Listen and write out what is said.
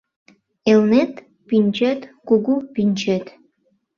Элнет пӱнчет — кугу пӱнчет